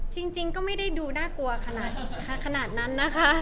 จริงก็ไม่ได้ดูน่ากลัวขนาดนั้นนะคะ